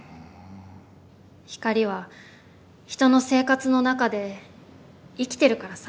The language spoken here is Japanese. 光は人の生活の中で生きてるからさ。